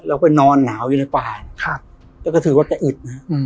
แล้วไปนอนหนาวอยู่ในป่านครับแล้วก็ถือว่าจะอึดนะอืม